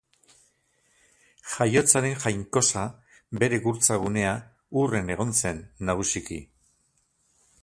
Jaiotzaren jainkosa, bere gurtza gunea, Urren egon zen, nagusiki.